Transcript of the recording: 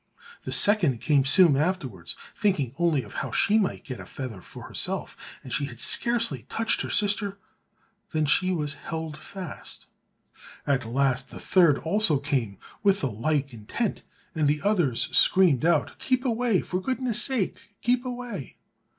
The second came soon afterwards, thinking only of how she might get a feather for herself, but she had scarcely touched her sister than she was held fast. At last the third also came with the like intent, and the others screamed out, "Keep away; for goodness' sake keep away!"